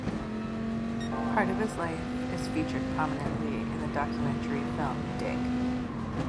Part of his life is featured prominently in the documentary film Dig!